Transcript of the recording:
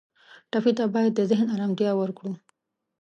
ټپي ته باید د ذهن آرامتیا ورکړو.